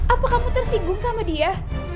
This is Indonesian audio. apa kamu tersinggung sama dia